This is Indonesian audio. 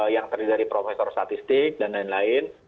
yang terdiri dari profesor statistik dan lain lain